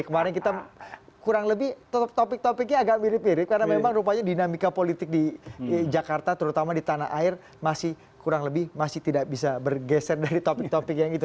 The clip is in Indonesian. kemarin kita kurang lebih topik topiknya agak mirip mirip karena memang rupanya dinamika politik di jakarta terutama di tanah air masih kurang lebih masih tidak bisa bergeser dari topik topik yang itu